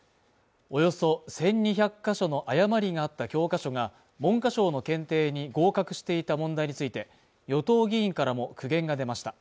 およそ１２００か所の誤りがあった教科書が文科省の検定に合格していた問題について、与党議員からも苦言が出ました。